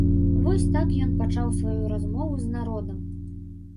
Вось так ён пачаў сваю размову з народам.